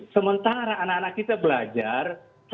sementara anak anak kita belajar